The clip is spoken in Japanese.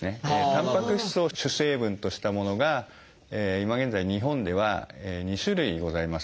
タンパク質を主成分としたものが今現在日本では２種類ございます。